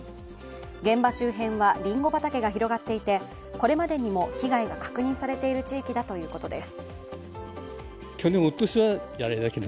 現場周辺はりんご畑が広がっていて、これまでにも被害が確認されている地域だということです。